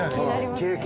経験。